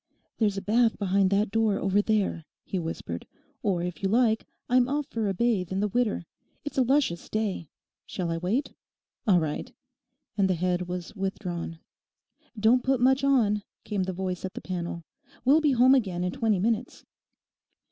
'There's a bath behind that door over there,' he whispered, 'or if you like I'm off for a bathe in the Widder. It's a luscious day. Shall I wait? All right,' and the head was withdrawn. 'Don't put much on,' came the voice at the panel; 'we'll be home again in twenty minutes.